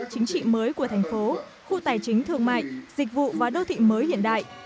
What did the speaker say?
chính trị mới của thành phố khu tài chính thương mại dịch vụ và đô thị mới hiện đại